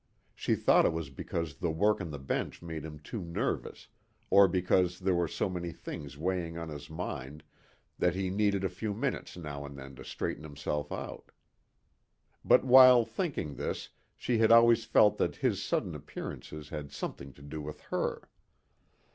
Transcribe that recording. She thought it was because the work on the bench made him too nervous or because there were so many things weighing on his mind that he needed a few minutes now and then to straighten himself out. But while thinking this she had always felt that his sudden appearances had something to do with her.